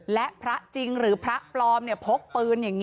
และพระจริงหรือพระปลอมพกปืนอย่างนี้